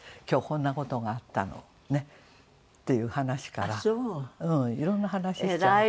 「今日こんな事があったのね」っていう話からいろんな話しちゃう。